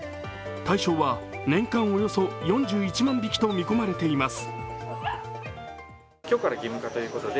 対象は年間およそ４１万匹と見込まれています。